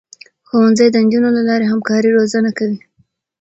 ښوونځی د نجونو له لارې همکاري روزنه کوي.